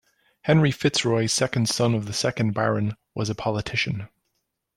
Henry FitzRoy, second son of the second Baron, was a politician.